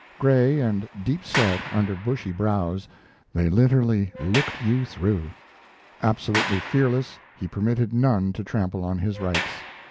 Gray and deep set under bushy brows, they literally looked you through. Absolutely fearless, he permitted none to trample on his rights.